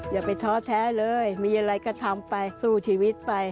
อย่าไปท้อแท้เลยมีอะไรก็ทำไปสู้ชีวิตไป